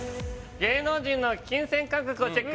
芸能人の金銭感覚をチェック